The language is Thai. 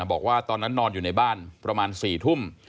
บอกว่าตอนนั้นนอนอยู่ในบ้านประมาณ๔ทุ่ม